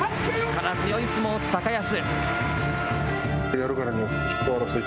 力強い相撲、高安。